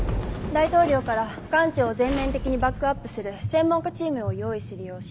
大統領から艦長を全面的にバックアップする専門家チームを用意するよう指示を受けまして。